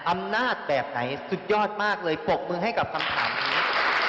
อำนาจแบบไหนสุดยอดมากเลยปรบมือให้กับคำถามนี้